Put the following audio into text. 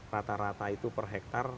rata rata itu per hektare